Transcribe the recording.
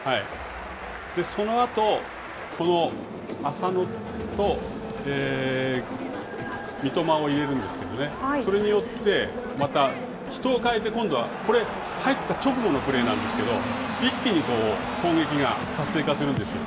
そのあと、この浅野と三笘を入れるんですけれどもね、それによって、また、人を代えて、今度はこれ、入った直後のプレーなんですけれども、一気に攻撃が活性化するんですよ。